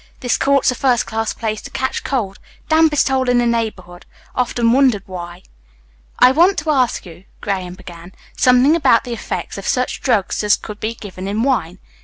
"This court's a first class place to catch cold. Dampest hole in the neighbourhood. Often wondered why." "I want to ask you," Graham began, "something about the effects of such drugs as could be given in wine.